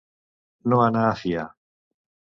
No anar a fiar.